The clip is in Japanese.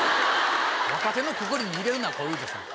若手のくくりに入れるな小遊三さんを。